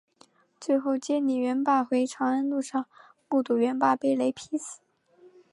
最后接李元霸回长安路上目睹元霸被雷劈死。